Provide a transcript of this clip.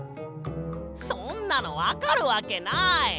そんなのわかるわけない！